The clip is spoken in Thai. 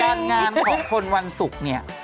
การงานของคนวันศุกร์นี่